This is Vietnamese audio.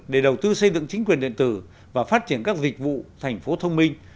để đầu tư xây dựng chính quyền điện tử và phát triển các dịch vụ thành phố thông minh